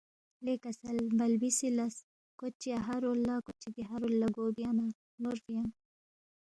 لے کسل بَلبِسی لس کوتچی اَہا رول لہ گو کوتچی دیہا رول لہ گو بیا نہ نورفی ینگ